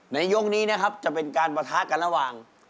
ในยกนี้นะครับจะเป็นการปะทะกันระหว่าง